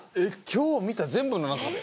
今日見た全部の中で？